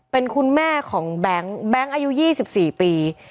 เป็นคุณแม่ของแบงค์แบงค์อายุยี่สิบสี่ปี